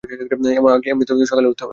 আমাকে এমনিতেও সকালে উঠতে হবে।